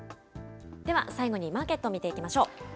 では最後にマーケット見ていきましょう。